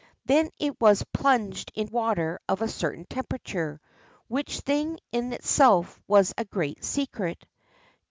Then it was plunged in water of a certain temperature, which thing in itself was a great secret.